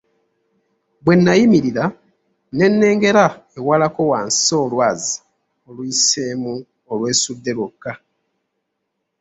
Bwe nayimirira ne nnengera ewalako wansi olwazi oluyiseemu olwesudde lwokka.